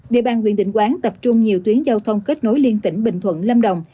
địa bàn huyện định quán tập trung nhiều tuyến giao thông kết nối liên tỉnh bình thuận lâm đồng